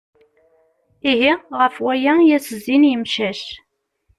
Ihi ɣef waya i as-zzin yemcac.